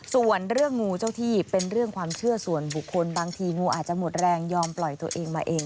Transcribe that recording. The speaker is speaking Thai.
ส่วนเรื่องงูเจ้าที่เป็นเรื่องความเชื่อส่วนบุคคลบางทีงูอาจจะหมดแรงยอมปล่อยตัวเองมาเอง